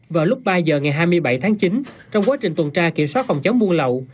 vào lúc ba giờ ngày hai mươi bảy tháng chín trong quá trình tuần tra kiểm soát phòng chống buôn lậu